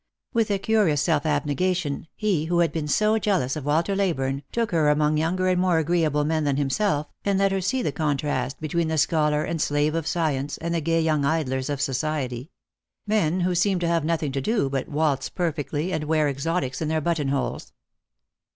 With a curious self abnegation, he, who had been so jealous of Walter Leyburne, took her among younger and more agreeable men than himself, and let her see the contrast between the scholar and slave of science, and the gay young idlers of society ; men who seemed to have nothing to do but waltz perfectly and wear exotics in their button holes.